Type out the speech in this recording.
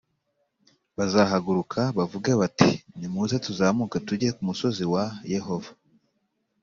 bazahaguruka bavuge bati “nimuze tuzamuke tujye ku musozi wa Yehova”